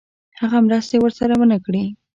هغه مرستې ورسره ونه کړې.